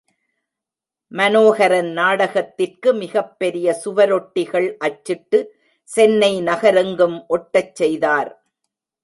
மனோஹரன் நாடகத்திற்கு மிகப் பெரிய சுவரொட்டிகள் அச்சிட்டு, சென்னை நகரெங்கும் ஒட்டச் செய்தார்.